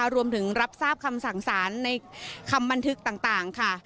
รวมถึงรับทราบคำสั่งสารในคำบันทึกต่างค่ะ